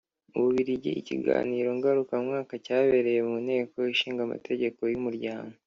Mu Bubiligi ikiganiro ngarukamwaka cyabereye mu Nteko Ishinga Amategeko y Umuryango